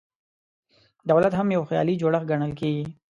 دولت هم یو خیالي جوړښت ګڼل کېږي.